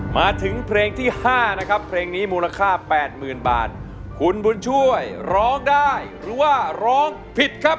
มาถึงเพลงที่๕นะครับเพลงนี้มูลค่า๘๐๐๐บาทคุณบุญช่วยร้องได้หรือว่าร้องผิดครับ